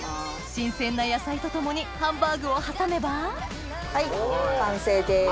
新鮮な野菜と共にハンバーグを挟めばはい完成です！